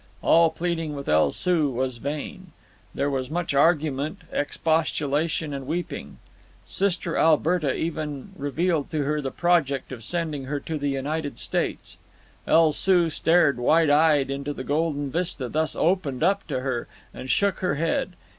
All pleading with El Soo was vain. There was much argument, expostulation, and weeping. Sister Alberta even revealed to her the project of sending her to the United States. El Soo stared wide eyed into the golden vista thus opened up to her, and shook her head.